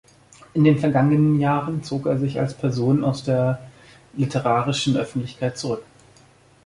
In den vergangenen Jahren zog er sich als Person aus der literarischen Öffentlichkeit zurück.